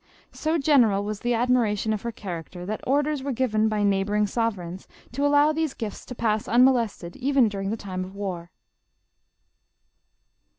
So gen eral was the admiration of her character, that orders were given by neighboring sovereigns to allow these gills to pass unmolested even during the time of war.